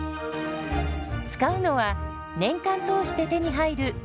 使うのは年間通して手に入る